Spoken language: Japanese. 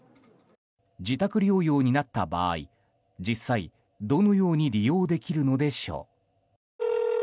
自宅療養になった場合実際、どのように利用できるのでしょう。